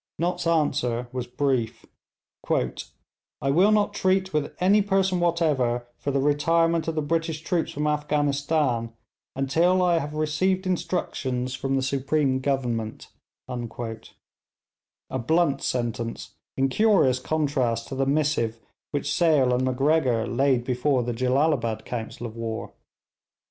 Nott's answer was brief: 'I will not treat with any person whatever for the retirement of the British troops from Afghanistan, until I have received instructions from the Supreme Government' a blunt sentence in curious contrast to the missive which Sale and Macgregor laid before the Jellalabad council of war.